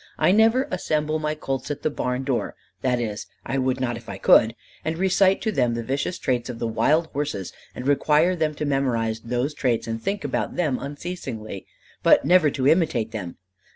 "I never assemble my colts at the barn door that is, I would not if I could and recite to them the vicious traits of the wild horse and require them to memorize those traits and think about them unceasingly, but never to imitate them.